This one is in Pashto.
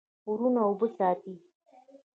غرونه اوبه ساتي.